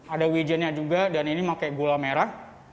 ada wijennya juga dan ini pakai gula merah